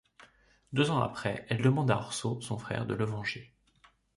Deux ans après, elle demande à Orso, son frère, de le venger.